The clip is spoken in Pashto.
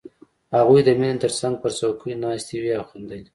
هغوی د مينې تر څنګ پر څوکۍ ناستې وې او خندلې